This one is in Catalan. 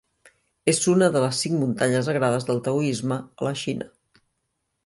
És una de les cinc muntanyes sagrades del taoisme a la Xina.